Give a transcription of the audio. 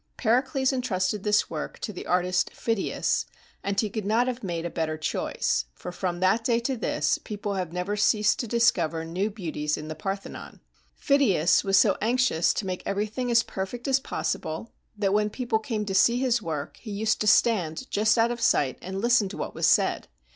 Pericles entrusted this work to the artist Phidias, and he could not have made a better choice, for from that day to this, people have never ceased to discover new beauties in the Parthenon. Phidias was so anxious to make everything as perfect as possible that when peo ple came to see his work, he used to stand just out of sight and listen to what was said.